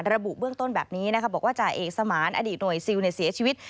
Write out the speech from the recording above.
ระบุเบื้องต้นแบบนี้นะคะบอกว่าจ่าเอกสมานอดีตหน่วยซิลเสียชีวิต